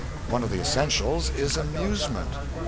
One of the essentials is amusement.